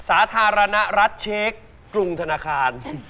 สาธารณรัฐเช็คกรุงธนาคาร